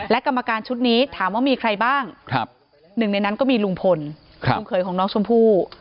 และกรรมการชุดนี้ถามว่ามีใครบ้างหนึ่งในนั้นก็มีลุงพลลุงเขยของน้องชมพู่